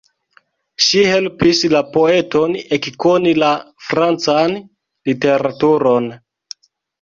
Ŝi helpis la poeton ekkoni la francan literaturon.